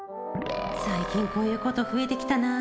最近こういうこと増えてきたな